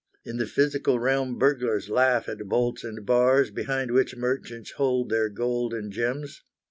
In the physical realm burglars laugh at bolts and bars behind which merchants hide their gold and gems.